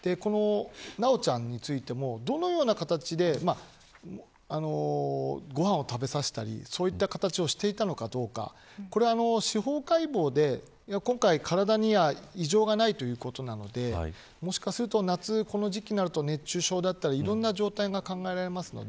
修ちゃんについても、どのようにご飯を食べさせたりそういうことをしていたのかどうか司法解剖で、今回、体には異常はないということなのでもしかすると夏のこの時期、熱中症だったりいろんな状態が考えられます。